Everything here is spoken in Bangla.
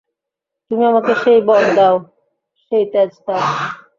তুমি আমাকে সেই বর দাও, সেই তেজ দাও।